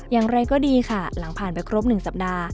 อย่างไรก็ดีค่ะหลังผ่านไปครบ๑สัปดาห์